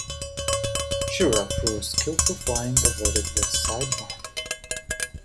Schirra, through skillful flying, avoided the Sidewinder.